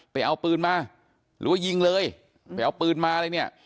ไปเอาปืนมาหรือว่ายิงเลยไปเอาปืนมาอะไรเนี่ย